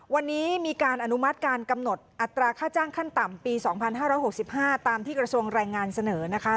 วันนี้มีการอนุมัติการกำหนดอัตราค่าจ้างขั้นต่ำปี๒๕๖๕ตามที่กระทรวงแรงงานเสนอนะคะ